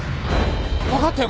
分かったよ